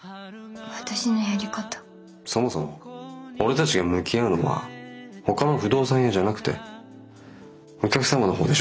そもそも俺たちが向き合うのはほかの不動産屋じゃなくてお客様の方でしょ。